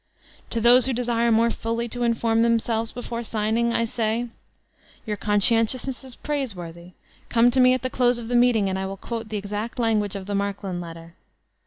To those who desire more fully to inform diemselves before signing; I say: Your conscientiousness is praiseworthy—come to me at the close of the meeting and I will quote the exact language of the Markland letter.